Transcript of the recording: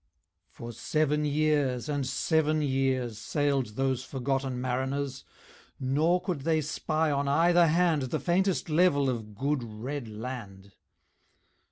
For seven years and seven years Sailed those forgotten mariners, Nor could they spy on either hand The faintest level of good red land.